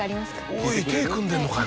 おい手組んでんのかよ